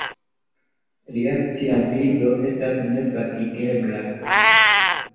Lia sciavido estas nesatigebla.